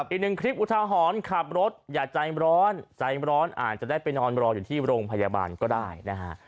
อีกหนึ่งคลิปอุทาหรณ์ขับรถอย่าใจร้อนใจร้อนอาจจะได้ไปนอนรออยู่ที่โรงพยาบาลก็ได้นะฮะ